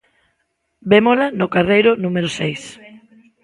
Vémola no carreiro número seis.